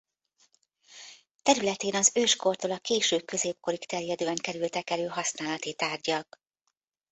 Területén az őskortól a késő középkorig terjedően kerültek elő használati tárgyak.